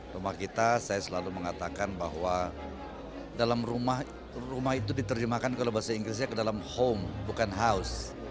rumah kita saya selalu mengatakan bahwa dalam rumah itu diterjemahkan kalau bahasa inggrisnya ke dalam home bukan house